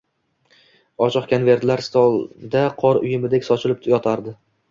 Ochiq konvertlar stolda qor uyumidek sochilib yotardi